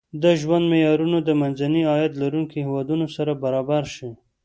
د ژوند معیارونه د منځني عاید لرونکو هېوادونو سره برابر شي.